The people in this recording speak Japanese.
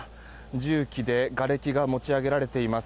重機でがれきが持ち上げられています。